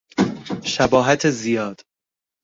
شباهت زیاد